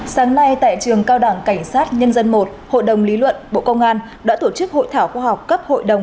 sáng nay tại trường cao đảng cảnh sát nhân dân một hội đồng lý luận bộ công an đã tổ chức hội thảo khoa học cấp hội đồng